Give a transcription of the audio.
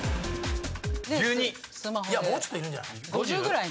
もうちょっといるんじゃない？